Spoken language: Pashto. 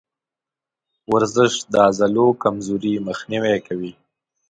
ورزش د عضلو کمزوري مخنیوی کوي.